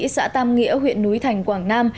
xã tam nghĩa huyện núi thành quảng nam